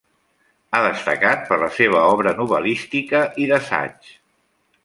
Ha destacat per la seva obra novel·lística i d'assaig.